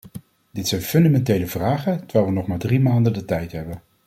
Dit zijn fundamentele vragen, terwijl we nog maar drie maanden de tijd hebben.